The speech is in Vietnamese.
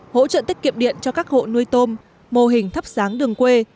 hỗ trợ tiết kiệm điện cho các hộ nuôi tôm mô hình thắp sáng đường quê